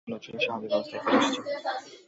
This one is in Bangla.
মনে হচ্ছে, উনি স্বাভাবিক অবস্থায় ফিরে এসেছেন!